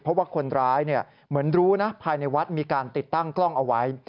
เพราะว่าคนร้ายเหมือนรู้นะภายในวัดมีการติดตั้งกล้องเอาไว้